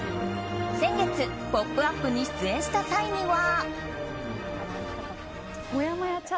先月、「ポップＵＰ！」に出演した際には。